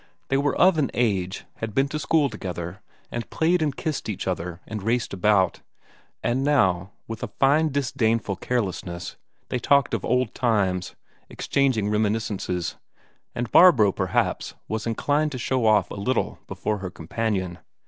They were of an age, had been to school together, and played and kissed each other and raced about; and now, with a fine disdainful carelessness, they talked of old times exchanging reminiscences and Barbro, perhaps, was inclined to show off a little before her companion.